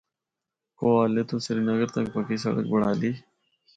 کوہالے تو سری نگر تک پکی سڑک بنڑالی۔